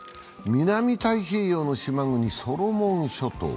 南太平洋の島国ソロモン諸島。